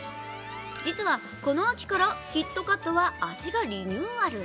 実はこの秋からキットカットは味がリニューアル。